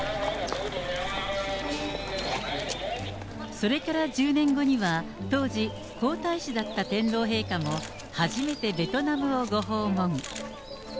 それから１０年後には、当時、皇太子だった天皇陛下も初めてベトナムをご訪問。